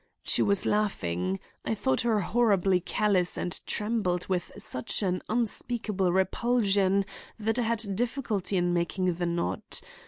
She was laughing. I thought her horribly callous and trembled with such an unspeakable repulsion that I had difficulty in making the knot.